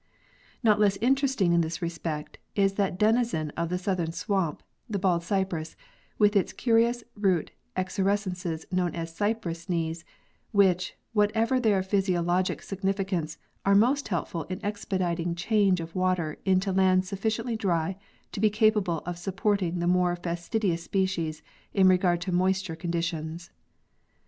Not less interesting in this respect is that denizen of the southern swamp, the bald cypress with its curious root excres cences known as cypress knees, which, whatever their physiologic significance, are most helpful in expediting change of water into land sufficiently dry to be capable of supporting the more fastidious species in regard to moisture conditions.